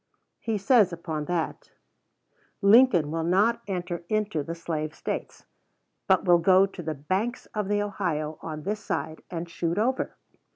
He says upon that: Lincoln will not enter into the Slave States, but will go to the banks of the Ohio, on this side, and shoot over!